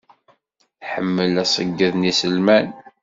Tḥemmel aṣeyyed n iselman.